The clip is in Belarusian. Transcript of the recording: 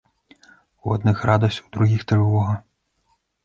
У адных радасць, у другіх трывога.